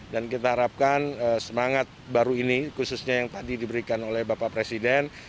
dan kita harapkan semangat baru ini khususnya yang tadi diberikan oleh bapak presiden